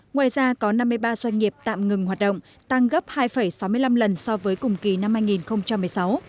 ngoài ra có năm mươi ba doanh nghiệp tạm ngừng hoạt động tăng gấp hai sáu mươi năm lần so với cùng kỳ năm hai nghìn một mươi sáu